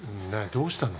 どうしたの？